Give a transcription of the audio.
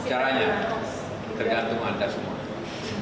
caranya tergantung anda semua